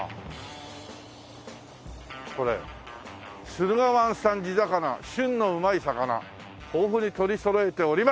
「駿河湾産地魚旬の旨い魚」「豊富に取り揃えており」